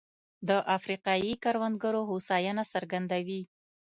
د افریقايي کروندګرو هوساینه څرګندوي.